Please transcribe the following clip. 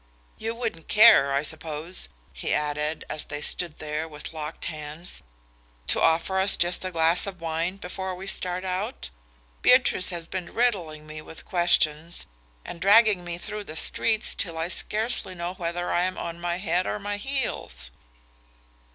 You wouldn't care, I suppose," he added, as they stood there with locked hands, "to offer us just a glass of wine before we start out? Beatrice has been riddling me with questions and dragging me through the streets till I scarcely know whether I am on my head or my heels."